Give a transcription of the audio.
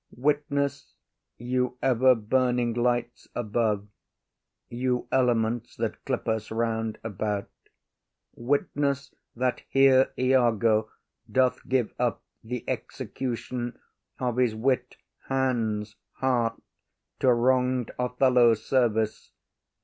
[Kneels.] Witness, you ever burning lights above, You elements that clip us round about, Witness that here Iago doth give up The execution of his wit, hands, heart, To wrong’d Othello’s service!